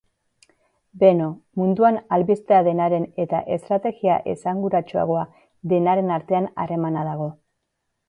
Beno, munduan albistea denaren eta estrategia esanguratsuagoa denaren artean harremana dago.